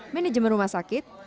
manajemen rumah sakit